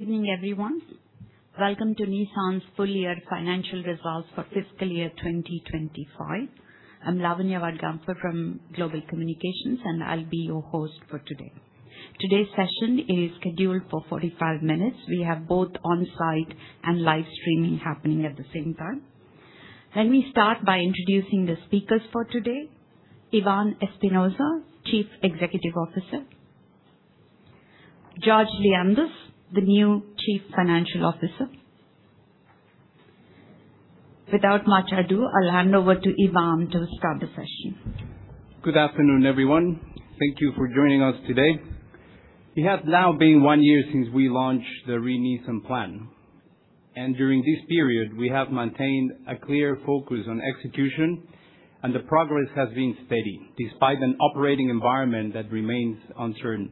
Evening, everyone. Welcome to Nissan's full year financial results for fiscal year 2025. I'm Lavanya Wadgaonkar from Global Communications, and I'll be your host for today. Today's session is scheduled for 45 minutes. We have both on-site and live streaming happening at the same time. Let me start by introducing the speakers for today. Ivan Espinosa, Chief Executive Officer. George Leondis, the new Chief Financial Officer. Without much ado, I'll hand over to Ivan to start the session. Good afternoon, everyone. Thank you for joining us today. It has now been one year since we launched the Re:Nissan Plan, and during this period we have maintained a clear focus on execution, and the progress has been steady despite an operating environment that remains uncertain.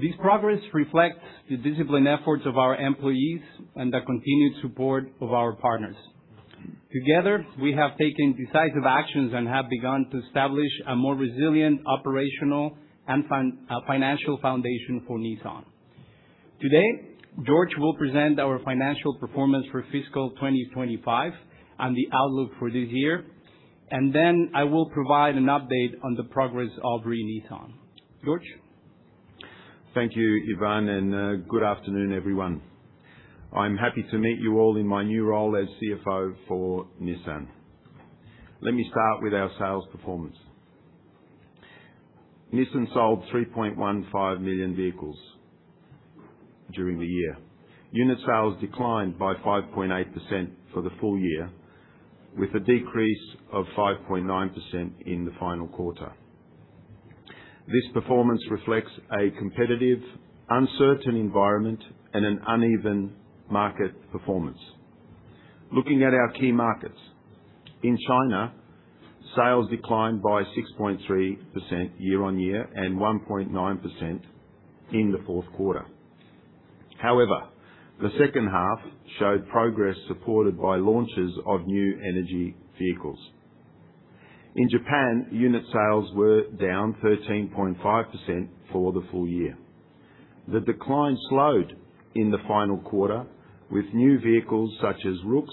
This progress reflects the disciplined efforts of our employees and the continued support of our partners. Together, we have taken decisive actions and have begun to establish a more resilient operational and financial foundation for Nissan. Today, George will present our financial performance for fiscal 2025 and the outlook for this year, and then I will provide an update on the progress of Re:Nissan. George? Thank you, Ivan, good afternoon, everyone. I'm happy to meet you all in my new role as CFO for Nissan. Let me start with our sales performance. Nissan sold 3.15 million vehicles during the year. Unit sales declined by 5.8% for the full year with a decrease of 5.9% in the final quarter. This performance reflects a competitive, uncertain environment and an uneven market performance. Looking at our key markets. In China, sales declined by 6.3% YoY and 1.9% in the fourth quarter. The second half showed progress supported by launches of new energy vehicles. In Japan, unit sales were down 13.5% for the full year. The decline slowed in the final quarter with new vehicles such as Roox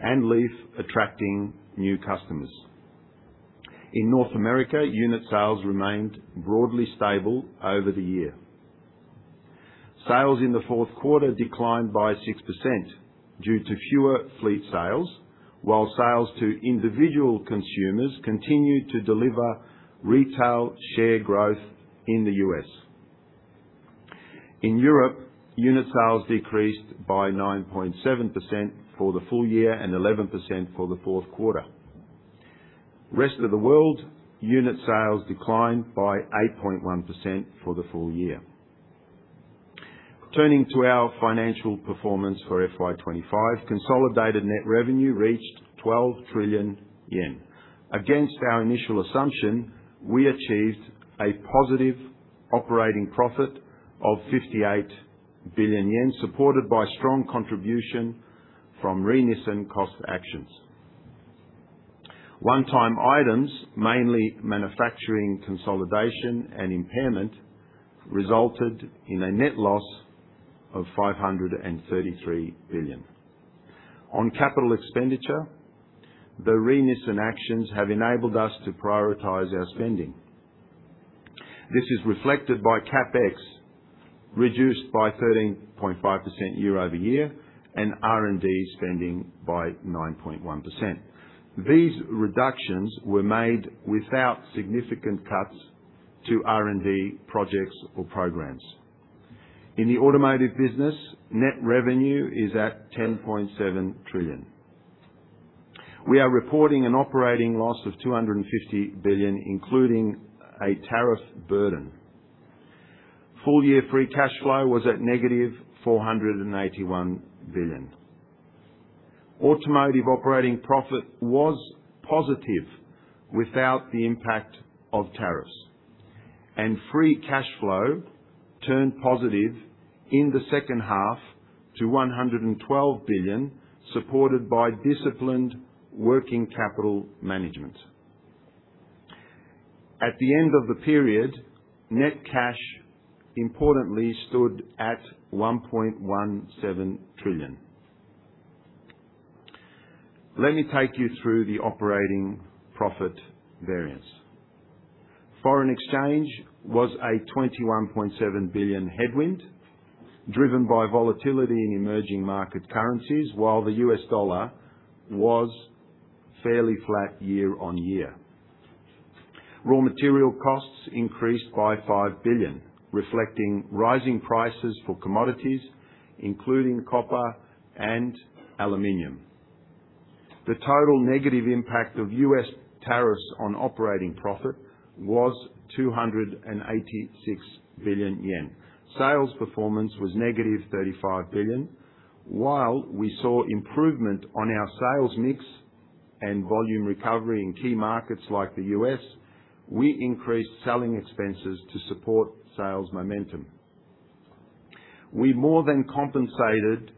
and LEAF attracting new customers. In North America, unit sales remained broadly stable over the year. Sales in the fourth quarter declined by 6% due to fewer fleet sales, while sales to individual consumers continued to deliver retail share growth in the U.S. In Europe, unit sales decreased by 9.7% for the full year and 11% for the fourth quarter. Rest of the world, unit sales declined by 8.1% for the full year. Turning to our financial performance for FY 2025, consolidated net revenue reached 12 trillion yen. Against our initial assumption, we achieved a positive operating profit of 58 billion yen, supported by strong contribution from Re:Nissan cost actions. One-time items, mainly manufacturing consolidation and impairment, resulted in a net loss of 533 billion. On capital expenditure, the Re:Nissan actions have enabled us to prioritize our spending. This is reflected by CapEx reduced by 13.5% YoY and R&D spending by 9.1%. These reductions were made without significant cuts to R&D projects or programs. In the automotive business, net revenue is at 10.7 trillion. We are reporting an operating loss of 250 billion, including a tariff burden. Full year free cash flow was at -481 billion. Automotive operating profit was positive without the impact of tariffs, and free cash flow turned positive in the second half to 112 billion, supported by disciplined working capital management. At the end of the period, net cash importantly stood at 1.17 trillion. Let me take you through the operating profit variance. Foreign exchange was a 21.7 billion headwind, driven by volatility in emerging market currencies while the U.S. dollar was fairly flat YoY. Raw material costs increased by 5 billion, reflecting rising prices for commodities including copper and aluminum. The total negative impact of U.S. tariffs on operating profit was 286 billion yen. Sales performance was -35 billion. While we saw improvement on our sales mix and volume recovery in key markets like the U.S., we increased selling expenses to support sales momentum. We more than compensated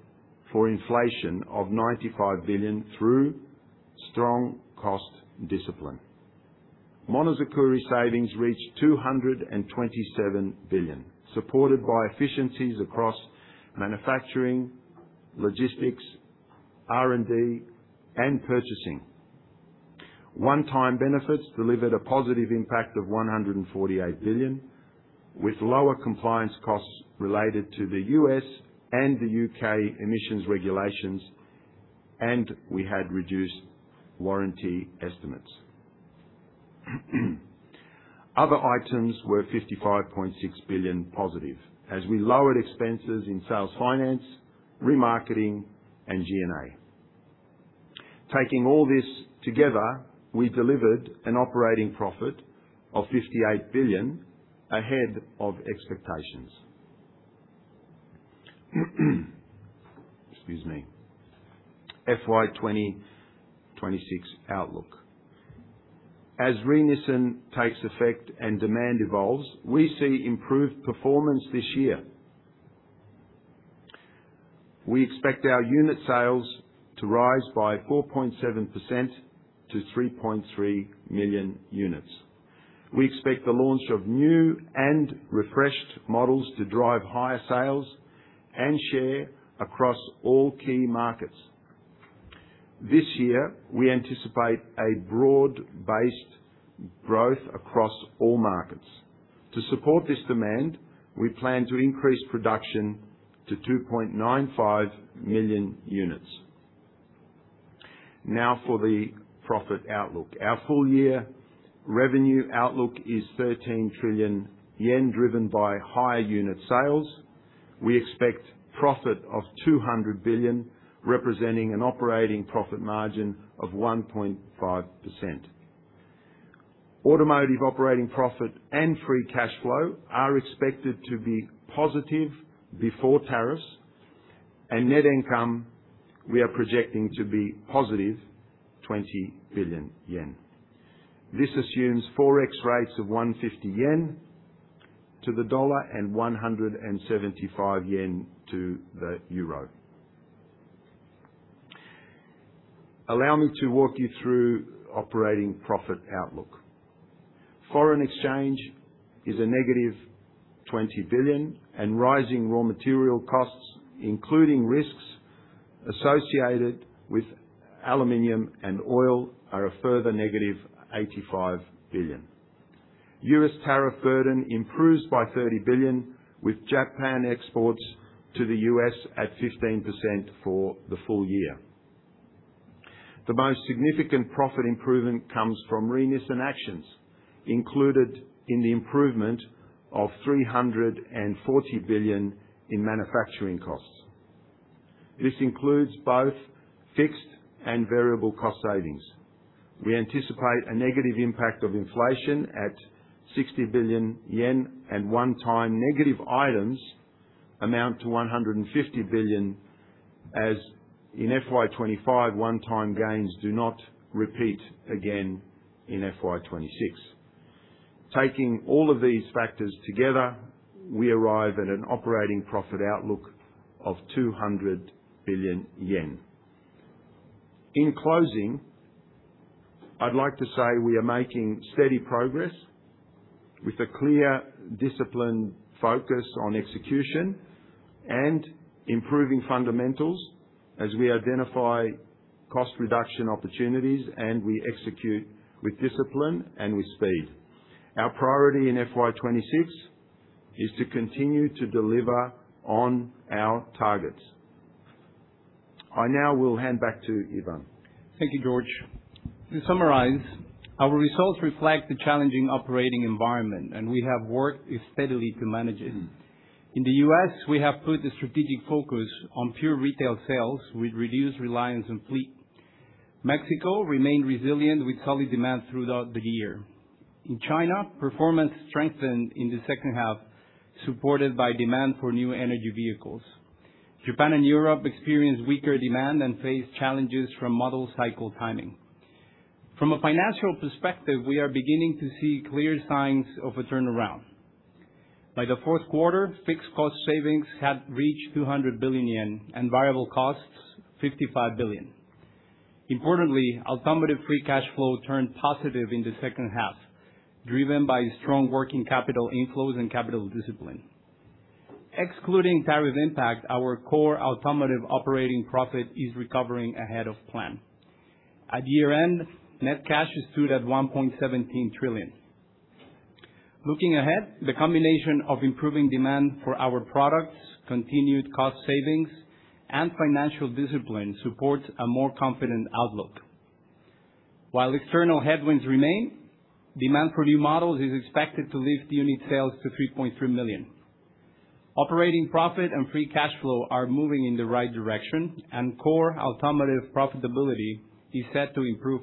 for inflation of 95 billion through strong cost discipline. Monozukuri savings reached 227 billion, supported by efficiencies across manufacturing, logistics, R&D, and purchasing. One-time benefits delivered a positive impact of 148 billion, with lower compliance costs related to the U.S. and the U.K. emissions regulations, and we had reduced warranty estimates. Other items were 55.6 billion positive as we lowered expenses in sales finance, remarketing, and G&A. Taking all this together, we delivered an operating profit of 58 billion ahead of expectations. Excuse me. FY 2026 outlook. As Re:Nissan takes effect and demand evolves, we see improved performance this year. We expect our unit sales to rise by 4.7% to 3.3 million units. We expect the launch of new and refreshed models to drive higher sales and share across all key markets. This year, we anticipate a broad-based growth across all markets. To support this demand, we plan to increase production to 2.95 million units. For the profit outlook. Our full year revenue outlook is 13 trillion yen, driven by higher unit sales. We expect profit of 200 billion, representing an operating profit margin of 1.5%. Automotive operating profit and free cash flow are expected to be positive before tariffs. Net income, we are projecting to be positive 20 billion yen. This assumes forex rates of 150 yen to the dollar and 175 yen to the euro. Allow me to walk you through operating profit outlook. Foreign exchange is a -20 billion and rising raw material costs, including risks associated with aluminum and oil, are a further JPY -85 billion. U.S. tariff burden improves by 30 billion, with Japan exports to the U.S. at 15% for the full year. The most significant profit improvement comes from Re:Nissan actions included in the improvement of 340 billion in manufacturing costs. This includes both fixed and variable cost savings. We anticipate a negative impact of inflation at 60 billion yen, one-time negative items amount to 150 billion, as in FY 2025 one-time gains do not repeat again in FY 2026. Taking all of these factors together, we arrive at an operating profit outlook of 200 billion yen. In closing, I'd like to say we are making steady progress with a clear, disciplined focus on execution and improving fundamentals as we identify cost reduction opportunities and we execute with discipline and with speed. Our priority in FY 2026 is to continue to deliver on our targets. I now will hand back to Ivan. Thank you, George. To summarize, our results reflect the challenging operating environment. We have worked steadily to manage it. In the U.S., we have put a strategic focus on pure retail sales with reduced reliance on fleet. Mexico remained resilient with solid demand throughout the year. In China, performance strengthened in the second half, supported by demand for new energy vehicles. Japan and Europe experienced weaker demand and faced challenges from model cycle timing. From a financial perspective, we are beginning to see clear signs of a turnaround. By the fourth quarter, fixed cost savings had reached 200 billion yen and variable costs 55 billion. Importantly, automotive free cash flow turned positive in the second half, driven by strong working capital inflows and capital discipline. Excluding tariff impact, our core automotive operating profit is recovering ahead of plan. At year-end, net cash stood at 1.17 trillion. Looking ahead, the combination of improving demand for our products, continued cost savings, and financial discipline supports a more confident outlook. While external headwinds remain, demand for new models is expected to lift unit sales to 3.3 million. Operating profit and free cash flow are moving in the right direction, and core automotive profitability is set to improve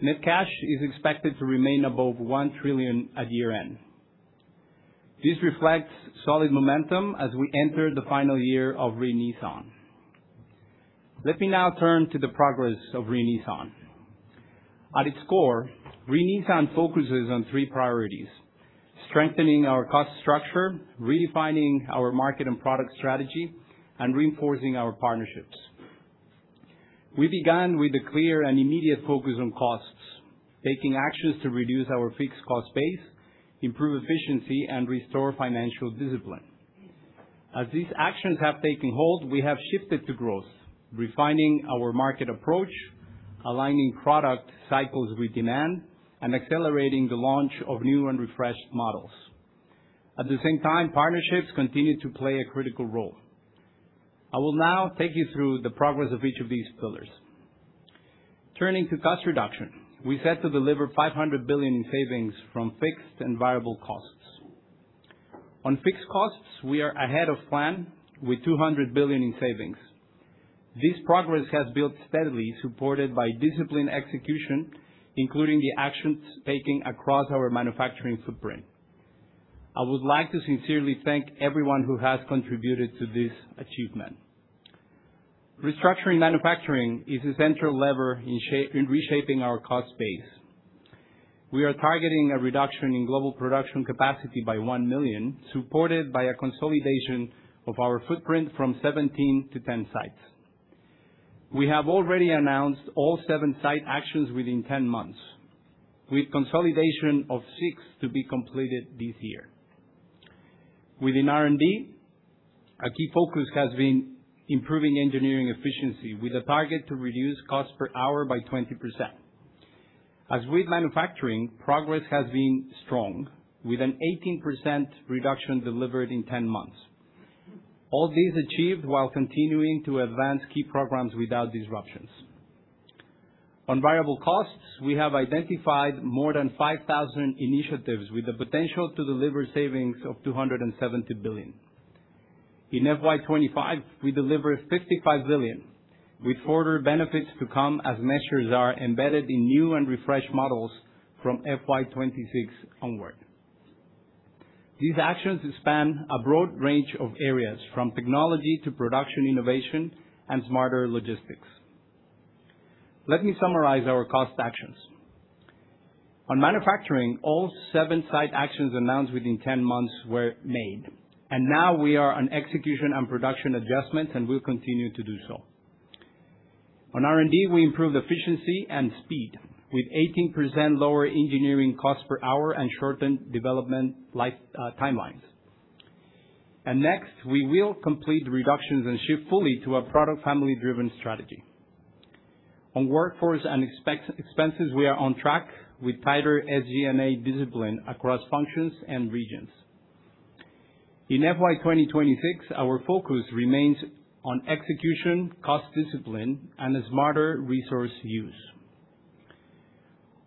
further. Net cash is expected to remain above 1 trillion at year-end. This reflects solid momentum as we enter the final year of Re:Nissan. Let me now turn to the progress of Re:Nissan. At its core, Re:Nissan focuses on 3 priorities: strengthening our cost structure, redefining our market and product strategy, and reinforcing our partnerships. We began with a clear and immediate focus on costs, taking actions to reduce our fixed cost base, improve efficiency, and restore financial discipline. As these actions have taken hold, we have shifted to growth, refining our market approach, aligning product cycles with demand, and accelerating the launch of new and refreshed models. At the same time, partnerships continue to play a critical role. I will now take you through the progress of each of these pillars. Turning to cost reduction, we set to deliver 500 billion in savings from fixed and variable costs. On fixed costs, we are ahead of plan with 200 billion in savings. This progress has built steadily, supported by disciplined execution, including the actions taken across our manufacturing footprint. I would like to sincerely thank everyone who has contributed to this achievement. Restructuring manufacturing is a central lever in reshaping our cost base. We are targeting a reduction in global production capacity by 1 million, supported by a consolidation of our footprint from 17 sites to 10 sites. We have already announced all seven site actions within 10 months, with consolidation of six to be completed this year. Within R&D, a key focus has been improving engineering efficiency with a target to reduce cost per hour by 20%. As with manufacturing, progress has been strong, with an 18% reduction delivered in 10 months. All this achieved while continuing to advance key programs without disruptions. On variable costs, we have identified more than 5,000 initiatives with the potential to deliver savings of 270 billion. In FY 2025, we delivered 55 billion, with further benefits to come as measures are embedded in new and refreshed models from FY 2026 onward. These actions span a broad range of areas, from technology to production innovation and smarter logistics. Let me summarize our cost actions. On manufacturing, all seven site actions announced within 10 months were made, and now we are on execution and production adjustments, and we'll continue to do so. On R&D, we improved efficiency and speed with 18% lower engineering cost per hour and shortened development timelines. Next, we will complete reductions and shift fully to a product family-driven strategy. On workforce expenses, we are on track with tighter SG&A discipline across functions and regions. In FY 2026, our focus remains on execution, cost discipline, and a smarter resource use.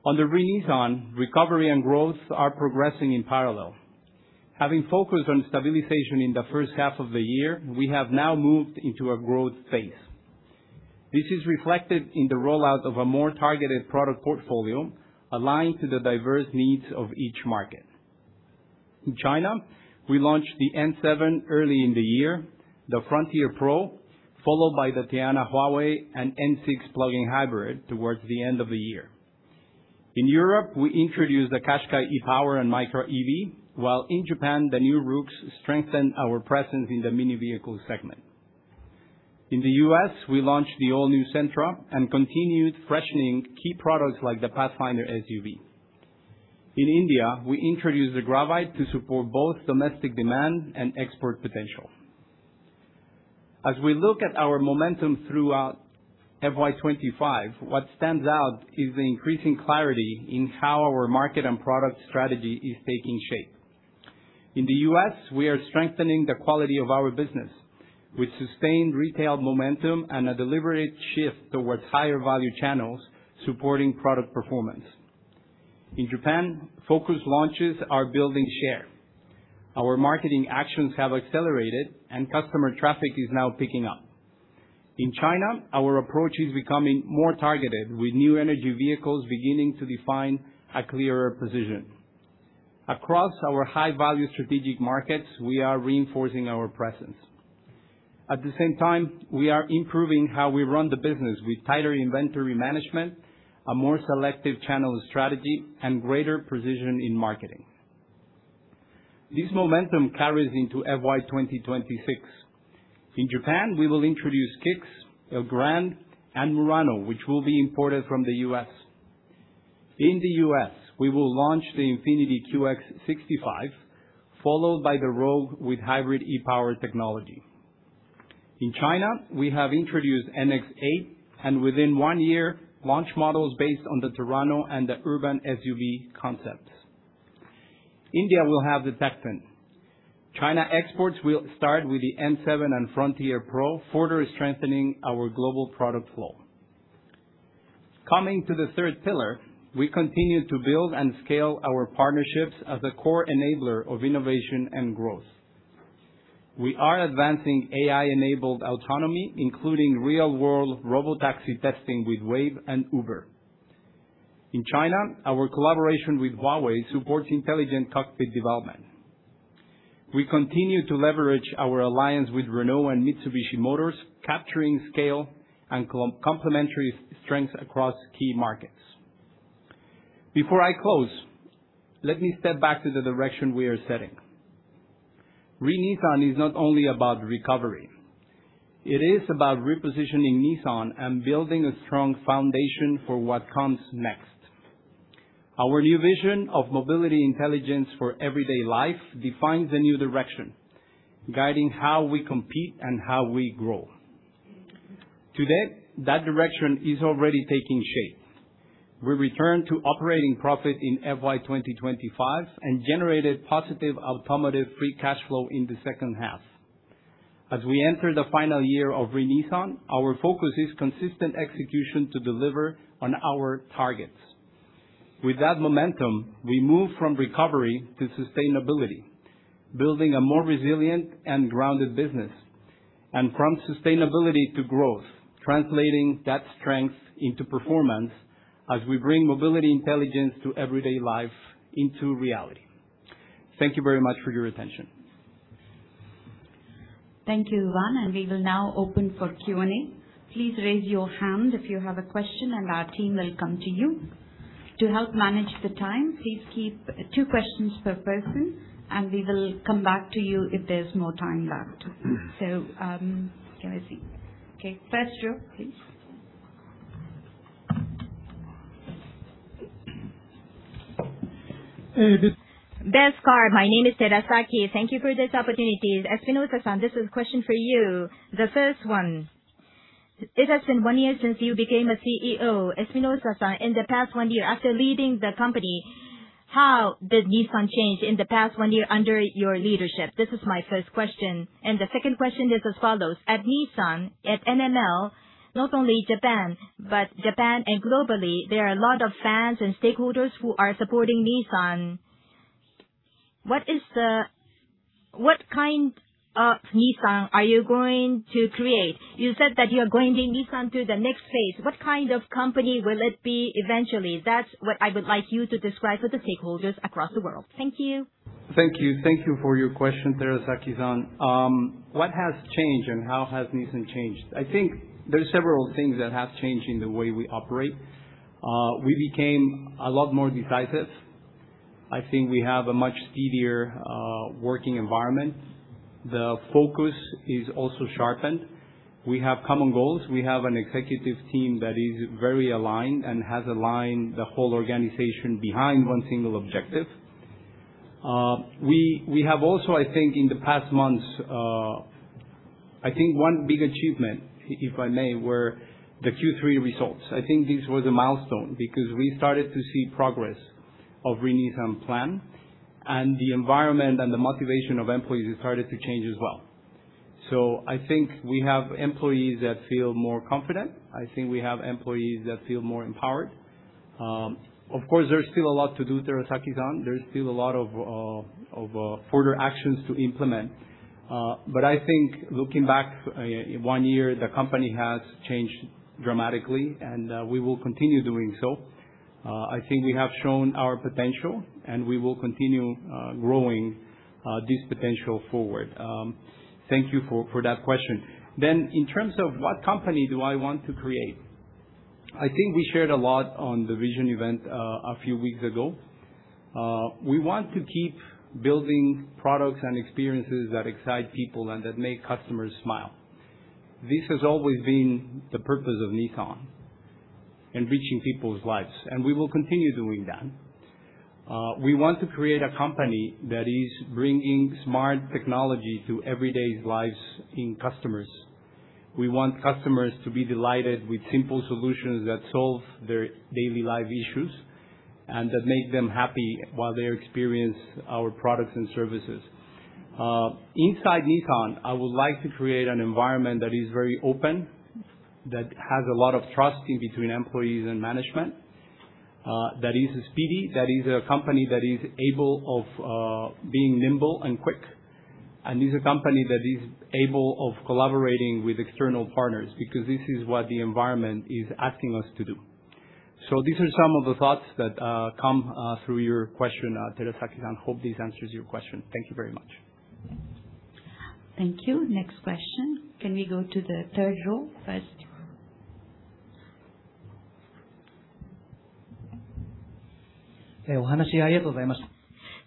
On the Re:Nissan, recovery and growth are progressing in parallel. Having focused on stabilization in the first half of the year, we have now moved into a growth phase. This is reflected in the rollout of a more targeted product portfolio aligned to the diverse needs of each market. In China, we launched the N7 early in the year, the Frontier Pro, followed by the Teana Huawei and N6 plug-in hybrid towards the end of the year. In Europe, we introduced the Qashqai e-POWER and Micra EV, while in Japan, the new Roox strengthened our presence in the mini vehicle segment. In the U.S., we launched the all-new Sentra and continued freshening key products like the Pathfinder SUV. In India, we introduced the Gravite to support both domestic demand and export potential. As we look at our momentum throughout FY 2025, what stands out is the increasing clarity in how our market and product strategy is taking shape. In the U.S., we are strengthening the quality of our business with sustained retail momentum and a deliberate shift towards higher value channels supporting product performance. In Japan, focus launches are building share. Our marketing actions have accelerated, and customer traffic is now picking up. In China, our approach is becoming more targeted, with new energy vehicles beginning to define a clearer position. Across our high-value strategic markets, we are reinforcing our presence. At the same time, we are improving how we run the business with tighter inventory management, a more selective channel strategy, and greater precision in marketing. This momentum carries into FY 2026. In Japan, we will introduce Kicks, Elgrand, and Murano, which will be imported from the U.S. In the U.S., we will launch the INFINITI QX65, followed by the Rogue with hybrid e-POWER technology. In China, we have introduced NX8, and within one year, launch models based on the Terrano and the Urvan SUV concepts. India will have the Datsun. China exports will start with the N7 and Frontier PRO, further strengthening our global product flow. Coming to the third pillar, we continue to build and scale our partnerships as a core enabler of innovation and growth. We are advancing AI-enabled autonomy, including real-world robotaxi testing with Wayve and Uber. In China, our collaboration with Huawei supports intelligent cockpit development. We continue to leverage our alliance with Renault and Mitsubishi Motors, capturing scale and complementary strengths across key markets. Before I close, let me step back to the direction we are setting. Re:Nissan is not only about recovery, it is about repositioning Nissan and building a strong foundation for what comes next. Our new vision of mobility intelligence for everyday life defines a new direction, guiding how we compete and how we grow. To date, that direction is already taking shape. We return to operating profit in FY 2025 and generated positive automotive free cash flow in the second half. As we enter the final year of Re:Nissan, our focus is consistent execution to deliver on our targets. With that momentum, we move from recovery to sustainability, building a more resilient and grounded business, and from sustainability to growth, translating that strength into performance as we bring mobility intelligence to everyday life into reality. Thank you very much for your attention. Thank you, Ivan. We will now open for Q&A. Please raise your hand if you have a question, and our team will come to you. To help manage the time, please keep two questions per person, and we will come back to you if there's more time left. Let me see. Okay. First row, please. BestCar. My name is Terasaki. Thank you for this opportunity. Espinosa-san, this is a question for you. The first one. It has been one year since you became a CEO. Espinosa-san, in the past one year, after leading the company, how did Nissan change in the past one year under your leadership? This is my first question. The second question is as follows. At Nissan, at NML, not only Japan, but Japan and globally, there are a lot of fans and stakeholders who are supporting Nissan. What kind of Nissan are you going to create? You said that you are going to take Nissan to the next phase. What kind of company will it be eventually? That's what I would like you to describe for the stakeholders across the world. Thank you. Thank you. Thank you for your question, Terasaki-san. What has changed and how has Nissan changed? I think there are several things that have changed in the way we operate. We became a lot more decisive. I think we have a much speedier working environment. The focus is also sharpened. We have common goals. We have an executive team that is very aligned and has aligned the whole organization behind one single objective. We have also, I think, in the past months, I think one big achievement, if I may, were the Q3 results. I think this was a milestone because we started to see progress of Re:Nissan Plan and the environment and the motivation of employees started to change as well. I think we have employees that feel more confident. I think we have employees that feel more empowered. Of course, there's still a lot to do, Terasaki-san. There's still a lot of further actions to implement. I think looking back in one year, the company has changed dramatically and we will continue doing so. I think we have shown our potential and we will continue growing this potential forward. Thank you for that question. In terms of what company do I want to create, I think we shared a lot on the vision event a few weeks ago. We want to keep building products and experiences that excite people and that make customers smile. This has always been the purpose of Nissan in reaching people's lives, and we will continue doing that. We want to create a company that is bringing smart technology to everyday lives in customers. We want customers to be delighted with simple solutions that solve their daily life issues and that make them happy while they experience our products and services. Inside Nissan, I would like to create an environment that is very open, that has a lot of trust in between employees and management, that is speedy, that is a company that is able of being nimble and quick, and is a company that is able of collaborating with external partners because this is what the environment is asking us to do. These are some of the thoughts that come through your question, Terasaki-san. Hope this answers your question. Thank you very much. Thank you. Next question. Can we go to the third row first?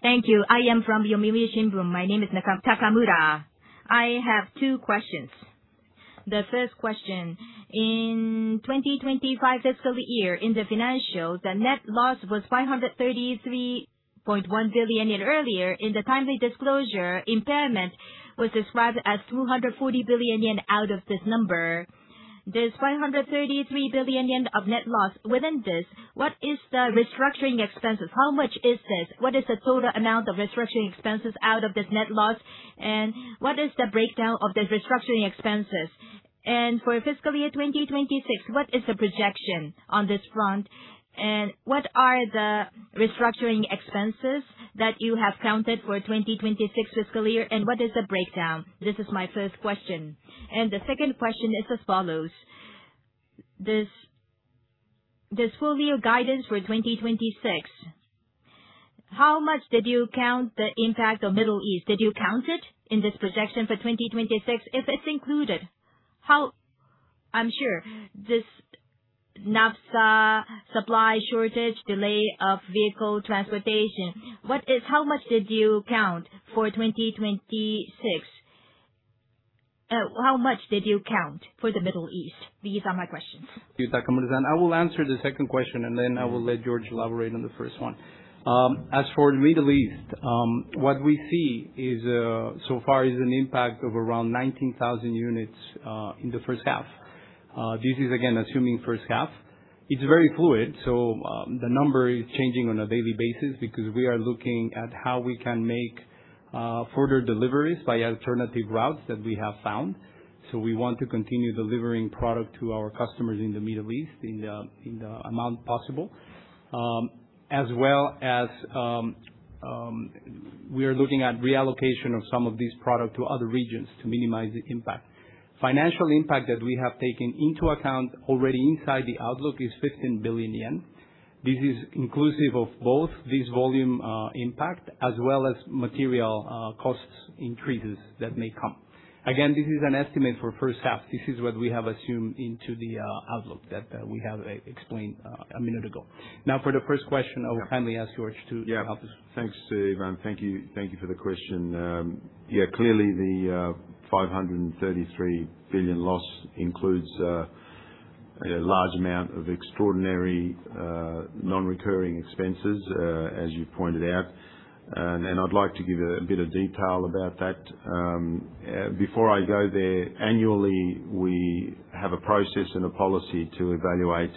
Thank you. I am from Yomiuri Shimbun. My name is Nakamura. I have two questions. The first question. In 2025 fiscal year in the financials, the net loss was 533.1 billion earlier. In the timely disclosure, impairment was described as 240 billion yen out of this number. This 533 billion yen of net loss, within this, what is the restructuring expenses? How much is this? What is the total amount of restructuring expenses out of this net loss? What is the breakdown of the restructuring expenses? For fiscal year 2026, what is the projection on this front? What are the restructuring expenses that you have counted for 2026 fiscal year and what is the breakdown? This is my first question. The second question is as follows. This full year guidance for 2026, how much did you count the impact of Middle East? Did you count it in this projection for 2026? If it's included, how? This naphtha supply shortage, delay of vehicle transportation. How much did you count for 2026? How much did you count for the Middle East? These are my questions. I will answer the second question, and then I will let George elaborate on the first one. As for Middle East, what we see is so far is an impact of around 19,000 units in the first half. This is again assuming first half. It's very fluid, so the number is changing on a daily basis because we are looking at how we can make further deliveries by alternative routes that we have found. We want to continue delivering product to our customers in the Middle East in the amount possible. As well as, we are looking at reallocation of some of this product to other regions to minimize the impact. Financial impact that we have taken into account already inside the outlook is 15 billion yen. This is inclusive of both this volume impact as well as material costs increases that may come. Again, this is an estimate for first half. This is what we have assumed into the outlook that we have explained a minute ago. For the first question, I will kindly ask George to help us. Yeah. Thanks, Steve, and thank you for the question. Yeah, clearly, the 533 billion loss includes a large amount of extraordinary, non-recurring expenses, as you pointed out. I'd like to give a bit of detail about that. Before I go there, annually, we have a process and a policy to evaluate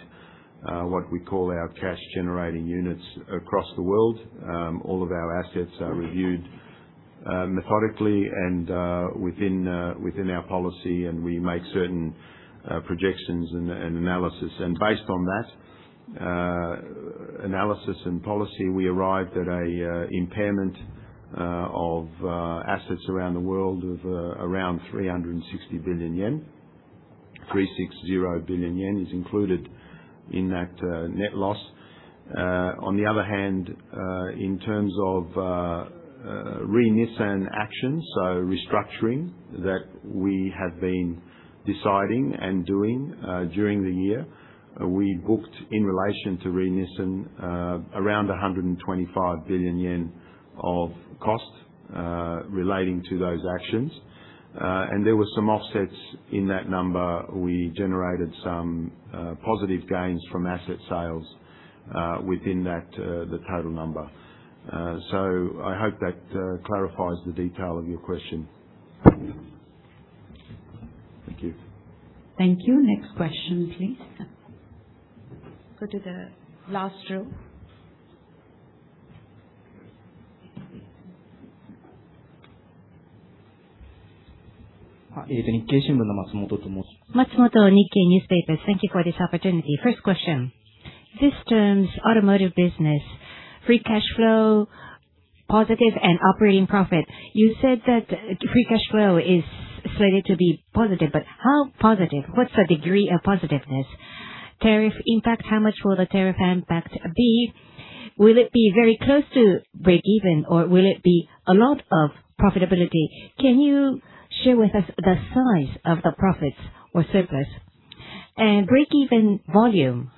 what we call our cash generating units across the world. All of our assets are reviewed methodically and within our policy, and we make certain projections and analysis. Based on that analysis and policy, we arrived at a impairment of assets around the world of around 360 billion yen. 360 billion yen is included in that net loss. On the other hand, in terms of Re:Nissan actions, so restructuring that we have been deciding and doing during the year. We booked in relation to Re:Nissan, around 125 billion yen of cost, relating to those actions. There were some offsets in that number. We generated some positive gains from asset sales within that, the total number. I hope that clarifies the detail of your question. Thank you. Thank you. Next question, please. Go to the last row. Matsumoto, Nikkei Newspaper. Thank you for this opportunity. First question. This term's automotive business, free cash flow positive and operating profit. You said that free cash flow is slated to be positive, but how positive? What's the degree of positiveness? Tariff impact, how much will the tariff impact be? Will it be very close to breakeven or will it be a lot of profitability? Can you share with us the size of the profits or surplus? Breakeven volume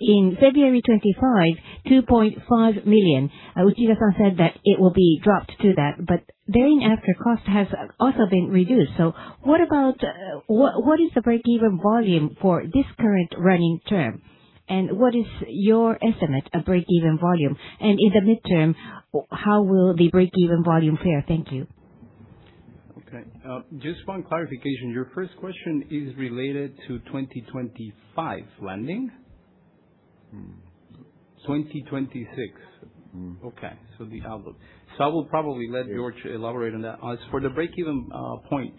in February 2025, 2.5 million. Uchida-san said that it will be dropped to that, but therein after cost has also been reduced. What about what is the breakeven volume for this current running term? What is your estimate of breakeven volume? In the midterm, how will the breakeven volume fare? Thank you. Okay. Just one clarification. Your first question is related to 2025 lending? 2026. Okay. The outlook. I will probably let George elaborate on that. As for the breakeven point,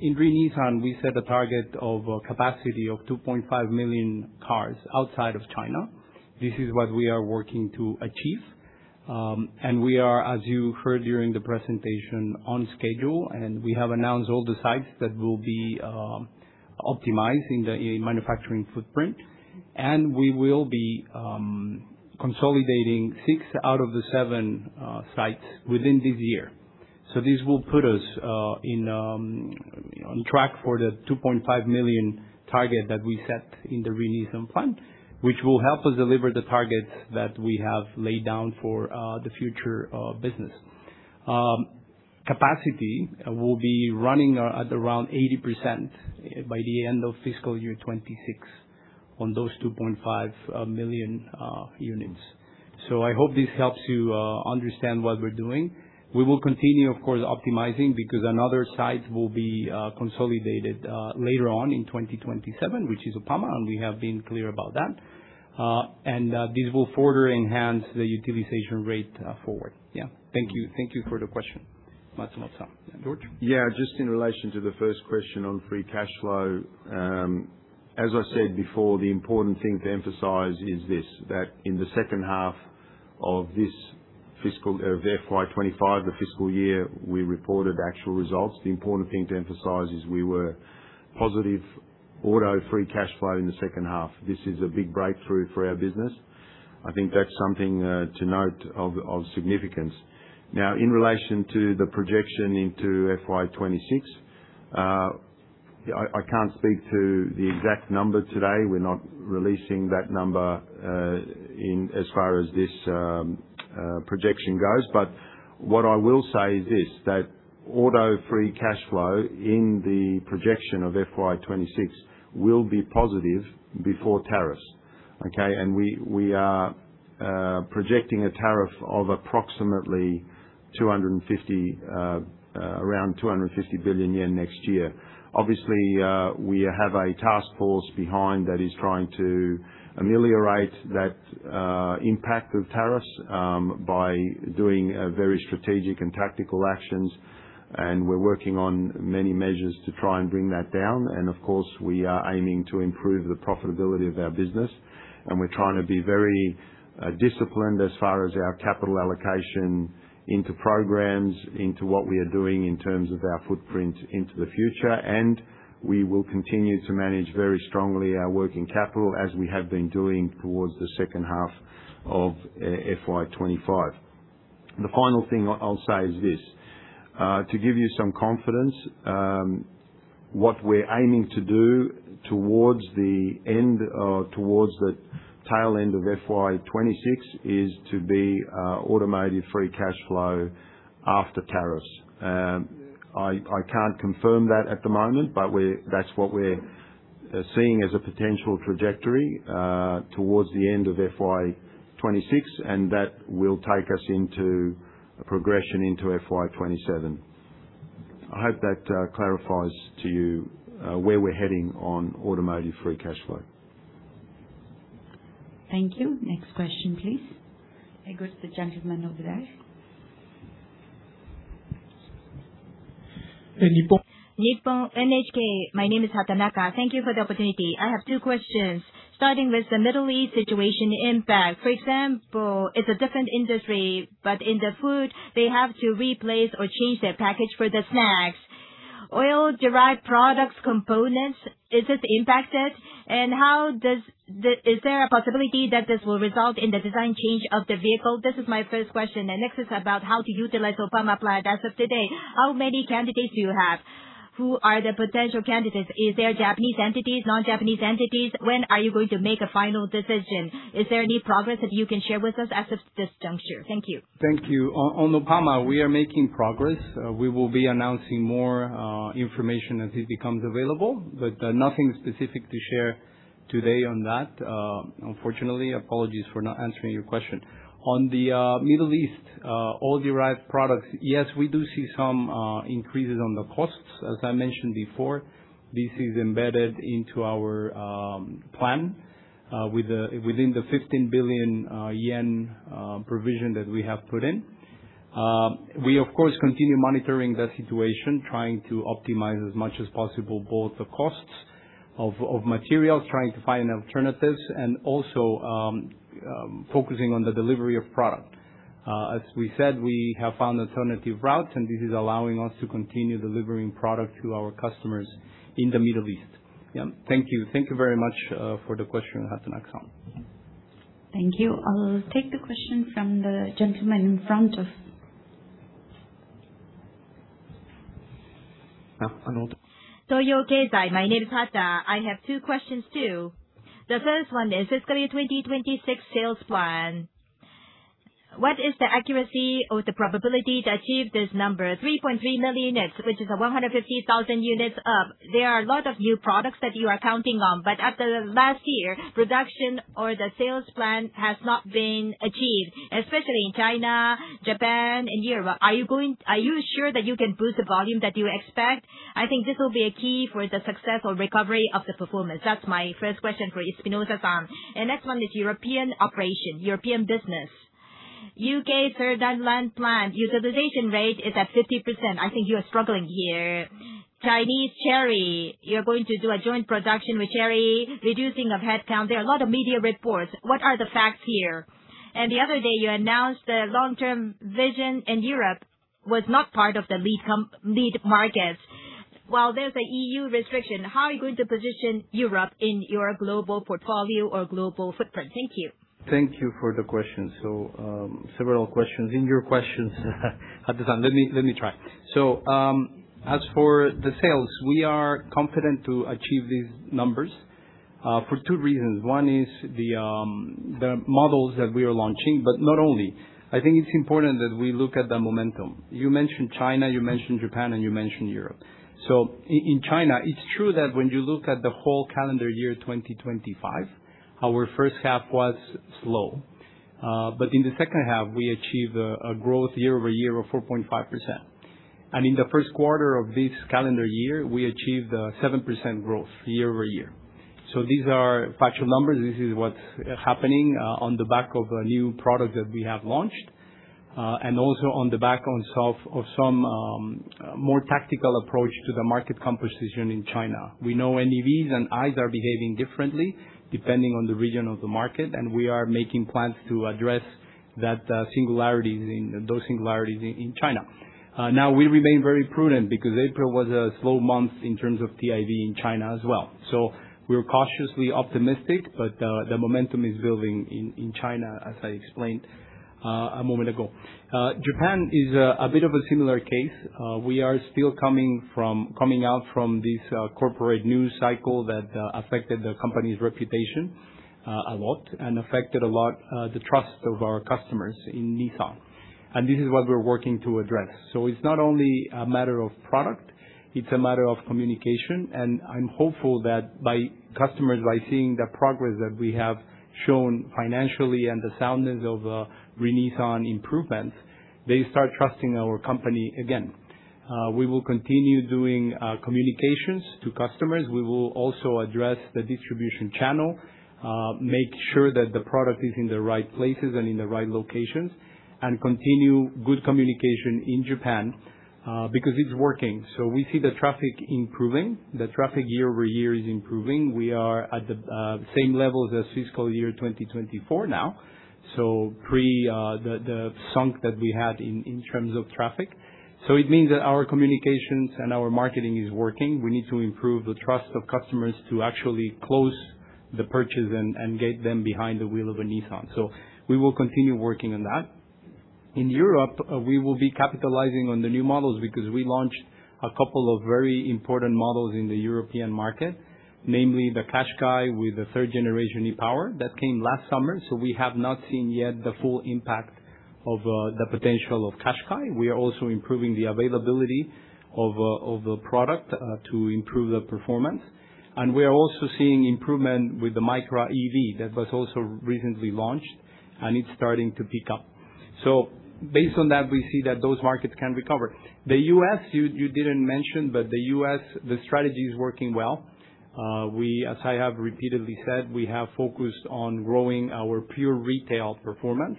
in Re:Nissan, we set a target of a capacity of 2.5 million cars outside of China. This is what we are working to achieve. And we are, as you heard during the presentation, on schedule, and we have announced all the sites that will be optimized in the manufacturing footprint. We will be consolidating six out of the seven sites within this year. This will put us in on track for the 2.5 million target that we set in the Re:Nissan Plan, which will help us deliver the targets that we have laid down for the future of business. Capacity will be running at around 80% by the end of fiscal year 2026 on those 2.5 million units. I hope this helps you understand what we're doing. We will continue, of course, optimizing because another site will be consolidated later on in 2027, which is Oppama, and we have been clear about that. This will further enhance the utilization rate forward. Yeah. Thank you. Thank you for the question. Matsumoto-san. George? Just in relation to the first question on free cash flow. As I said before, the important thing to emphasize is this, that in the second half of this fiscal, of FY 2025, the fiscal year we reported actual results, we were positive auto free cash flow in the second half. This is a big breakthrough for our business. I think that's something to note of significance. In relation to the projection into FY 2026, I can't speak to the exact number today. We're not releasing that number in as far as this projection goes. What I will say is this, that auto free cash flow in the projection of FY 2026 will be positive before tariffs. Okay. We are projecting a tariff of approximately, around 250 billion yen next year. We have a task force behind that is trying to ameliorate that impact of tariffs by doing very strategic and tactical actions. We're working on many measures to try and bring that down. Of course, we are aiming to improve the profitability of our business, and we're trying to be very disciplined as far as our capital allocation into programs, into what we are doing in terms of our footprint into the future. We will continue to manage very strongly our working capital as we have been doing towards the second half of FY 2025. The final thing I'll say is this: To give you some confidence, what we're aiming to do towards the tail end of FY 2026 is to be automotive free cash flow after tariffs. I can't confirm that at the moment, but that's what we're seeing as a potential trajectory towards the end of FY 2026, and that will take us into a progression into FY 2027. I hope that clarifies to you where we're heading on automotive free cash flow. Thank you. Next question, please. It goes to the gentleman over there. Nippon. Nippon, NHK. My name is Hatanaka. Thank you for the opportunity. I have two questions. Starting with the Middle East situation impact. For example, it's a different industry, but in the food they have to replace or change their package for the snacks. Oil-derived products components, is it impacted? Is there a possibility that this will result in the design change of the vehicle? This is my first question. The next is about how to utilize Oppama plant. As of today, how many candidates do you have? Who are the potential candidates? Is there Japanese entities, non-Japanese entities? When are you going to make a final decision? Is there any progress that you can share with us as of this juncture? Thank you. Thank you. On Oppama, we are making progress. We will be announcing more information as it becomes available. Nothing specific to share today on that, unfortunately. Apologies for not answering your question. On the Middle East, oil-derived products, yes, we do see some increases on the costs. As I mentioned before, this is embedded into our plan, with the within the 15 billion yen provision that we have put in. We, of course, continue monitoring the situation, trying to optimize as much as possible both the costs of materials, trying to find alternatives, and also focusing on the delivery of product. As we said, we have found alternative routes, and this is allowing us to continue delivering product to our customers in the Middle East. Yeah. Thank you. Thank you very much for the question, Hatanaka-san. Thank you. I'll take the question from the gentleman in front of. Yeah. Anoda. Toyo Keizai. My name is Hata. I have two questions, too. The first one is FY 2026 sales plan. What is the accuracy or the probability to achieve this number, 3.3 million units, which is a 150,000 units up? There are a lot of new products that you are counting on, after the last year, production or the sales plan has not been achieved, especially in China, Japan and Europe. Are you sure that you can boost the volume that you expect? I think this will be a key for the successful recovery of the performance. That's my first question for Espinosa-san. The next one is European operation, European business. U.K. Sunderland plant utilization rate is at 50%. I think you are struggling here. Chinese Chery, you're going to do a joint production with Chery, reducing of headcount. There are a lot of media reports. What are the facts here? The other day, you announced the long-term vision in Europe was not part of the lead markets. While there's a EU restriction, how are you going to position Europe in your global portfolio or global footprint? Thank you. Thank you for the question. Several questions in your questions, Hata-san. Let me try. As for the sales, we are confident to achieve these numbers for two reasons. One is the models that we are launching, but not only. I think it's important that we look at the momentum. You mentioned China, you mentioned Japan, and you mentioned Europe. In China, it's true that when you look at the whole calendar year 2025, our first half was slow. In the second half we achieved a growth YoY of 4.5%. In the first quarter of this calendar year, we achieved 7% growth YoY. These are factual numbers. This is what's happening on the back of a new product that we have launched. Also on the back on self of some more tactical approach to the market composition in China. We know NEVs and ICE are behaving differently depending on the region of the market, and we are making plans to address those singularities in China. Now, we remain very prudent because April was a slow month in terms of TIV in China as well. We're cautiously optimistic, but the momentum is building in China, as I explained a moment ago. Japan is a bit of a similar case. We are still coming out from this corporate news cycle that affected the company's reputation a lot, and affected a lot the trust of our customers in Nissan. This is what we're working to address. It's not only a matter of product, it's a matter of communication, and I'm hopeful that by customers, by seeing the progress that we have shown financially and the soundness of Re:Nissan improvements, they start trusting our company again. We will continue doing communications to customers. We will also address the distribution channel, make sure that the product is in the right places and in the right locations, and continue good communication in Japan, because it's working. We see the traffic improving. The traffic year-over-year is improving. We are at the same level as fiscal year 2024 now, so the sunk that we had in terms of traffic. It means that our communications and our marketing is working. We need to improve the trust of customers to actually close the purchase and get them behind the wheel of a Nissan. We will continue working on that. In Europe, we will be capitalizing on the new models because we launched a couple of very important models in the European market, namely the Qashqai with the third generation e-POWER. That came last summer, so we have not seen yet the full impact of the potential of Qashqai. We are also improving the availability of the product to improve the performance. We are also seeing improvement with the Micra EV that was also recently launched, and it's starting to pick up. Based on that, we see that those markets can recover. The U.S., you didn't mention, but the U.S., the strategy is working well. We, as I have repeatedly said, have focused on growing our pure retail performance,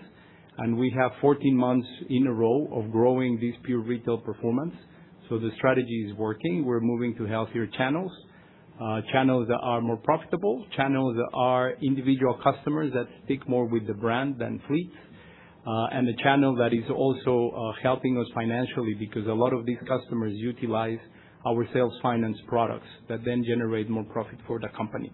and we have 14 months in a row of growing this pure retail performance, so the strategy is working. We're moving to healthier channels that are more profitable, channels that are individual customers that stick more with the brand than fleets, and the channel that is also helping us financially because a lot of these customers utilize our sales finance products that then generate more profit for the company.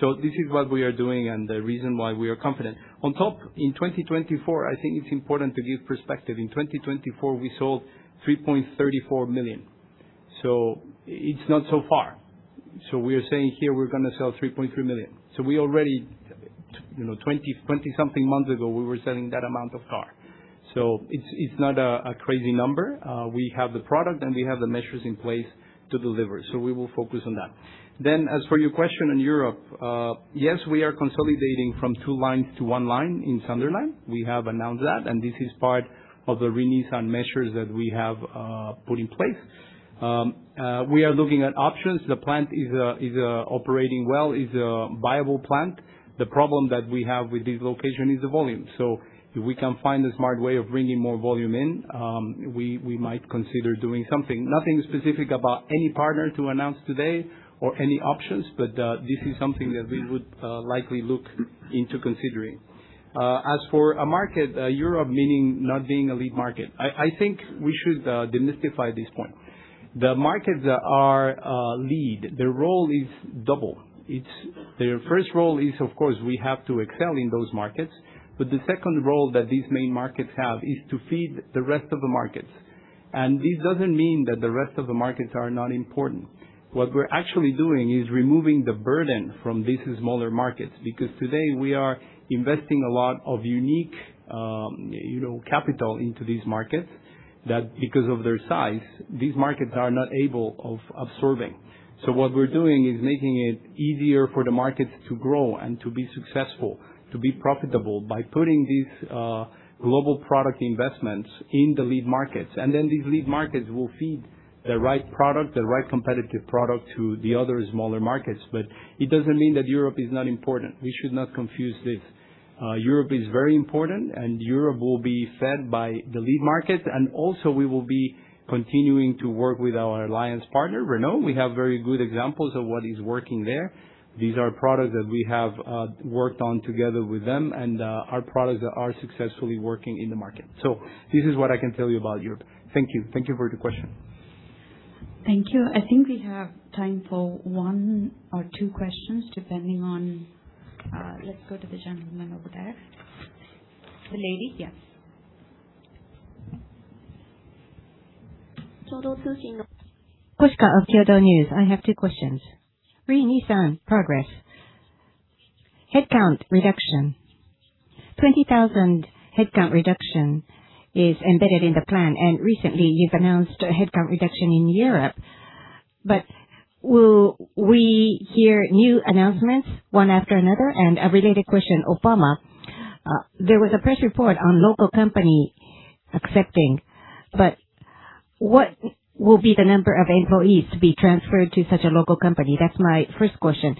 This is what we are doing and the reason why we are confident. In 2024, I think it's important to give perspective. In 2024, we sold 3.34 million, so it's not so far. We are saying here we're gonna sell 3.3 million. We already, you know, 20 something months ago, we were selling that amount of car. It's not a crazy number. We have the product, and we have the measures in place to deliver. We will focus on that. As for your question on Europe, yes, we are consolidating from two lines to one line in Sunderland. We have announced that, and this is part of the Re:Nissan measures that we have put in place. We are looking at options. The plant is operating well, is a viable plant. The problem that we have with this location is the volume. If we can find a smart way of bringing more volume in, we might consider doing something. Nothing specific about any partner to announce today or any options, this is something that we would likely look into considering. As for a market, Europe meaning not being a lead market, I think we should demystify this point. The markets that are lead, their role is double. Their first role is, of course, we have to excel in those markets. The second role that these main markets have is to feed the rest of the markets. This doesn't mean that the rest of the markets are not important. What we're actually doing is removing the burden from these smaller markets, because today we are investing a lot of unique, you know, capital into these markets, that because of their size, these markets are not able of absorbing. What we're doing is making it easier for the market to grow and to be successful, to be profitable by putting these global product investments in the lead markets. These lead markets will feed the right product, the right competitive product to the other smaller markets. It doesn't mean that Europe is not important. We should not confuse this. Europe is very important, and Europe will be fed by the lead market. We will be continuing to work with our alliance partner, Renault. We have very good examples of what is working there. These are products that we have worked on together with them and are products that are successfully working in the market. This is what I can tell you about Europe. Thank you. Thank you for the question. Thank you. I think we have time for one or two questions, depending on. Let's go to the gentleman over there. The lady, yes. Kosaka of Kyodo News. I have two questions. Re:Nissan progress, headcount reduction. 20,000 headcount reduction is embedded in the plan, and recently you've announced a headcount reduction in Europe. Will we hear new announcements one after another? A related question, Oppama. There was a press report on local company accepting. What will be the number of employees to be transferred to such a local company? That's my first question.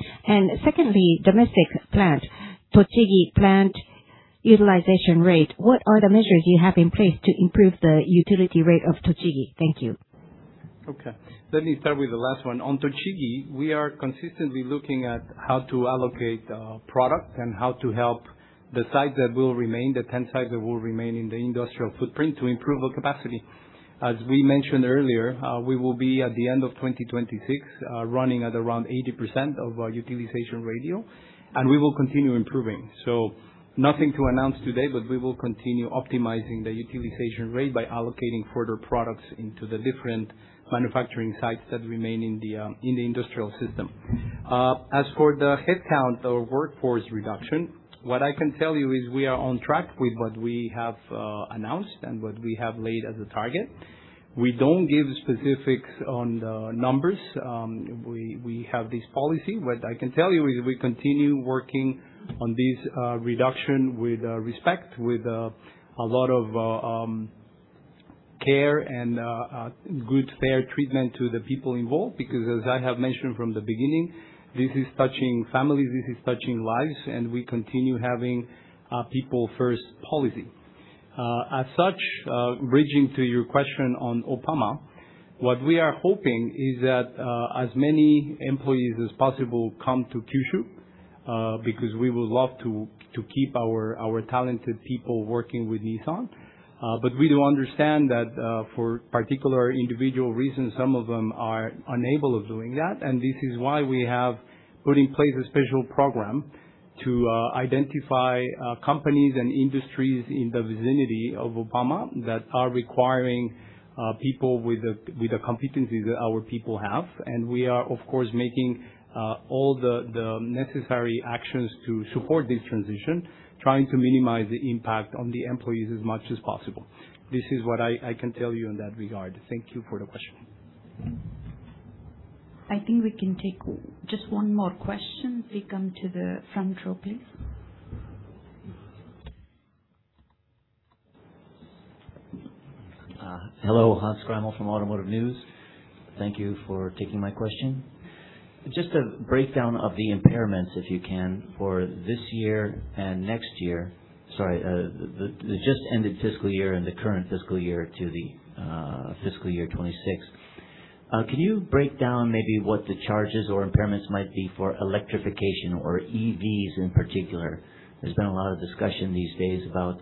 Secondly, domestic plant, Tochigi plant utilization rate, what are the measures you have in place to improve the utility rate of Tochigi? Thank you. Okay. Let me start with the last one. On Tochigi, we are consistently looking at how to allocate product and how to help the sites that will remain, the 10 sites that will remain in the industrial footprint to improve our capacity. As we mentioned earlier, we will be at the end of 2026, running at around 80% of our utilization ratio, and we will continue improving. Nothing to announce today, but we will continue optimizing the utilization rate by allocating further products into the different manufacturing sites that remain in the industrial system. As for the headcount or workforce reduction, what I can tell you is we are on track with what we have announced and what we have laid as a target. We don't give specifics on the numbers. We have this policy. What I can tell you is we continue working on this reduction with respect, with a lot of care and good, fair treatment to the people involved. As I have mentioned from the beginning, this is touching families, this is touching lives, and we continue having a people first policy. As such, bridging to your question on Oppama, what we are hoping is that as many employees as possible come to Kyushu, because we would love to keep our talented people working with Nissan. We do understand that for particular individual reasons, some of them are unable of doing that. This is why we have put in place a special program to identify companies and industries in the vicinity of Oppama that are requiring people with the competencies that our people have. We are, of course, making all the necessary actions to support this transition, trying to minimize the impact on the employees as much as possible. This is what I can tell you in that regard. Thank you for the question. I think we can take just one more question. Please come to the front row, please. Hello. Hans Greimel from Automotive News. Thank you for taking my question. Just a breakdown of the impairments, if you can, for this year and next year. Sorry, the just ended fiscal year and the current fiscal year to the fiscal year 2026. Can you break down maybe what the charges or impairments might be for electrification or EVs in particular? There's been a lot of discussion these days about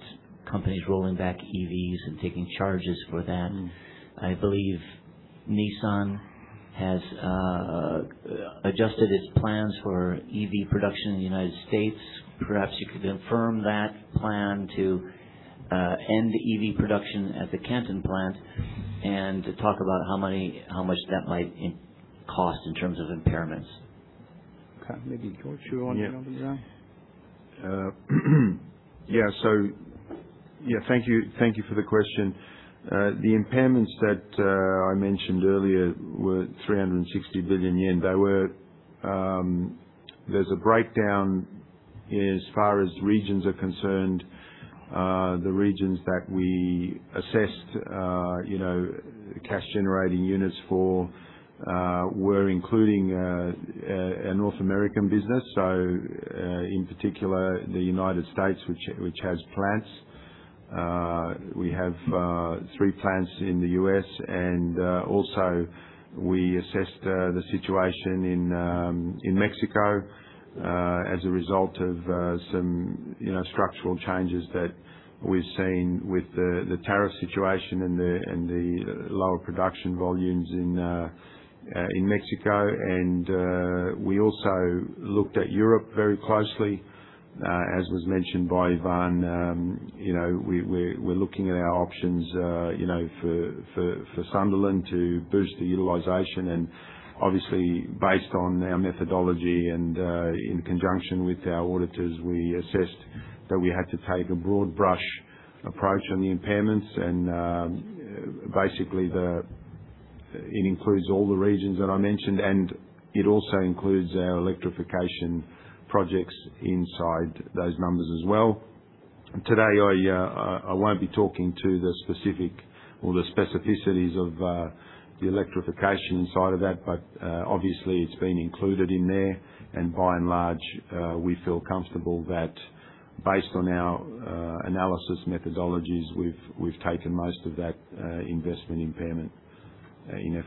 companies rolling back EVs and taking charges for that. I believe Nissan has adjusted its plans for EV production in the United States. Perhaps you could confirm that plan to end EV production at the Canton plant and talk about how many, how much that might in cost in terms of impairments. Okay, maybe George you want to handle that? Yeah. Yeah. Thank you for the question. The impairments that I mentioned earlier were 360 billion yen. There's a breakdown as far as regions are concerned. The regions that we assessed, you know, cash generating units for, were including a North American business, so, in particular the United States, which has plants. We have three plants in the U.S. and also we assessed the situation in Mexico as a result of some, you know, structural changes that we've seen with the tariff situation and the lower production volumes in Mexico. We also looked at Europe very closely. As was mentioned by Ivan, you know, we're looking at our options, you know, for Sunderland to boost the utilization. Obviously based on our methodology and in conjunction with our auditors, we assessed that we had to take a broad brush approach on the impairments. Basically, it includes all the regions that I mentioned, and it also includes our electrification projects inside those numbers as well. Today I won't be talking to the specific or the specificities of the electrification inside of that, but obviously it's been included in there. By and large, we feel comfortable that based on our analysis methodologies, we've taken most of that investment impairment in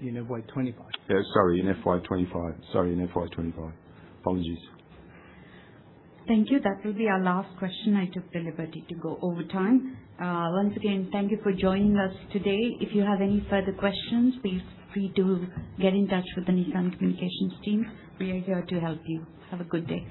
FY 2026. In FY 2025. Yeah, sorry, in FY 2025. Sorry, in FY 2025. Apologies. Thank you. That will be our last question. I took the liberty to go over time. Once again, thank you for joining us today. If you have any further questions, please feel free to get in touch with the Nissan communications team. We are here to help you. Have a good day.